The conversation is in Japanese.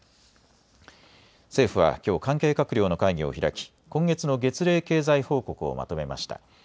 政府はきょう関係閣僚の会議を開き今月の月例経済報告をまとめました。